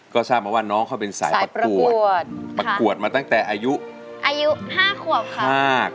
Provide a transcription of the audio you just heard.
ก็ทราบมาว่าน้องเขาเป็นสายประกวดประกวดมาตั้งแต่อายุ๕ขวบค่ะ